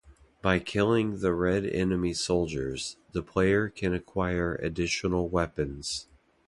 By killing the red enemy soldiers, the player can acquire additional weapons.